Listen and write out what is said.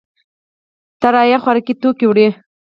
الوتکې خوراکي توکي وړي.